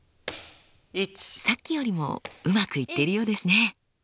さっきよりもうまくいっているようですね。